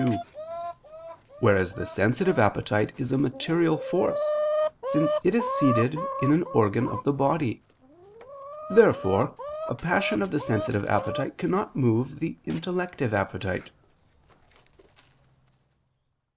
42: whereas the sensitive appetite is a material force, since it is seated in an organ of the body. Therefore a passion of the sensitive appetite cannot move the intellective appetite.